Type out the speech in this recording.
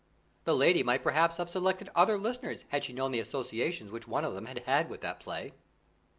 The lady might perhaps have selected other listeners had she known the associations which one of them had with that play.